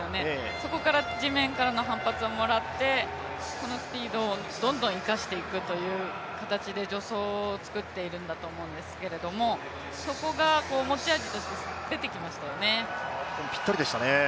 そこから地面からの反発をもらって、このスピードをどんどん生かしていくという形で助走を作っているんだと思うんですけれどもそこが持ち味として出てきましたよね。